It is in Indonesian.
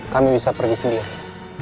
kami bisa pergi sendiri